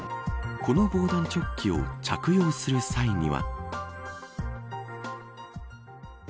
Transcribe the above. この防弾チョッキを着用する際には。